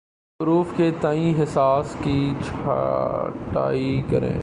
حروف کے تئیں حساس کی چھٹائی کریں